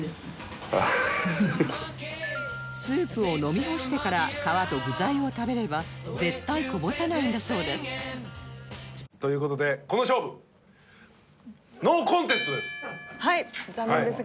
スープを飲み干してから皮と具材を食べれば絶対こぼさないんだそうですという事でこの勝負ノーコンテストです。